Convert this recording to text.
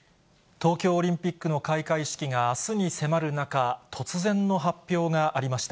東京オリンピックの開会式があすに迫る中、突然の発表がありました。